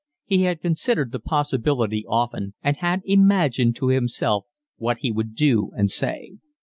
He had considered the possibility often and had imagined to himself what he would do and say.